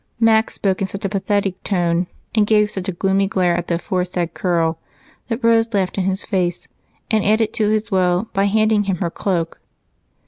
Mac spoke in such a pathetic tone, and gave such a gloomy glare at the aforesaid curl, that Rose laughed in his face and added to his woe by handing him her cloak.